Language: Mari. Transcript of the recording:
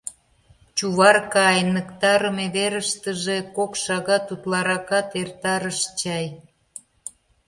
Чуварка «айныктарыме верыштыже» кок шагат утларакат эртарыш чай.